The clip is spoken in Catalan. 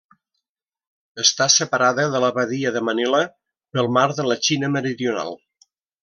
Està separada de la Badia de Manila pel Mar de la Xina Meridional.